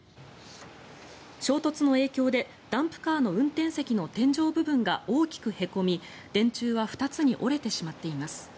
衝突の影響でダンプカーの運転席の天井部分が大きくへこみ、電柱は２つに折れてしまっています。